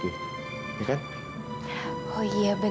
akhirnya dia nge uncle claus dulu wisatipah temen temen